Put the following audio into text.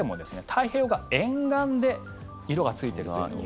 太平洋川沿岸で色がついているというふうに。